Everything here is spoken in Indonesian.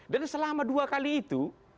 dan selama dua kali itu